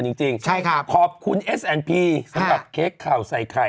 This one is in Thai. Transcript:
จริงจริงใช่ครับขอบคุณเอสแอนพีสำหรับเค้กข่าวใส่ไข่